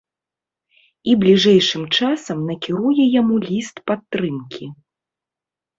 І бліжэйшым часам накіруе яму ліст падтрымкі.